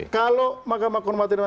kalau makam kehormatan dewa